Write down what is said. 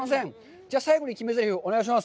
じゃあ最後に決めぜりふ、お願いします。